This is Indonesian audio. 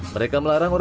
mereka melarang orang